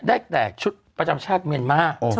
ได้แต่ชุดประจำชาติเมียนมา